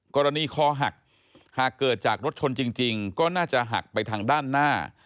คอหักหากเกิดจากรถชนจริงก็น่าจะหักไปทางด้านหน้า